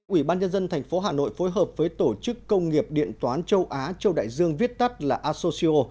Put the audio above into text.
ủy ban nhân dân thành phố hà nội phối hợp với tổ chức công nghiệp điện toán châu á châu đại dương viết tắt là associo